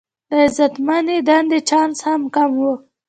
د عزتمندې دندې چانس هم کم و.